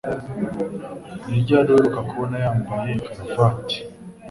Ni ryari uheruka kubona yambaye karuvati?